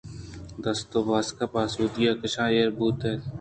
دست ءُباسک پہ آسودگی کشاں ایر بوت اِنت